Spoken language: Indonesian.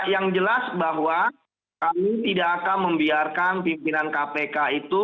yang jelas bahwa kami tidak akan membiarkan pimpinan kpk itu